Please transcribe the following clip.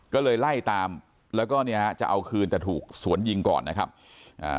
ก็เลยไล่ตามแล้วก็เนี่ยฮะจะเอาคืนแต่ถูกสวนยิงก่อนนะครับอ่า